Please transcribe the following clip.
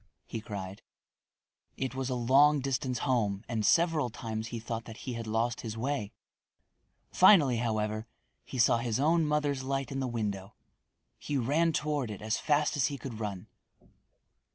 he cried. It was a long distance home and several times he thought that he had lost his way. Finally, however, he saw his own mother's light in the window. He ran toward it as fast as he could run.